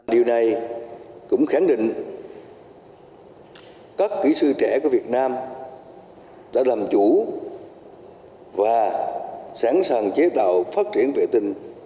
điều này cũng khẳng định các kỹ sư trẻ của việt nam đã làm chủ và sẵn sàng chế tạo phát triển vệ tinh